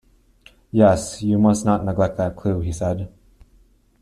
"Yes, you must not neglect that clue," he said.